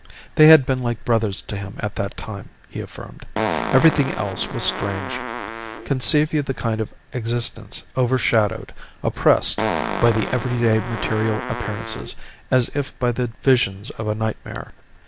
They had been like brothers to him at that time, he affirmed. Everything else was strange. Conceive you the kind of an existence overshadowed, oppressed, by the everyday material appearances, as if by the visions of a nightmare.